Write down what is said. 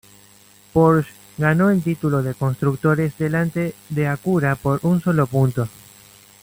Porsche ganó el título de constructores delante de Acura por un solo punto.